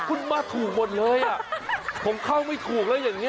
คุณมาถูกหมดเลยอ่ะผมเข้าไม่ถูกแล้วอย่างนี้